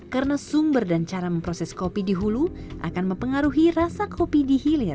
karena sumber dan cara memproses kopi di hulu akan mempengaruhi rasa kopi di hilir